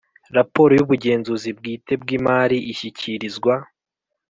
Raporo y ubugenzuzi bwite bw imari ishyikirizwa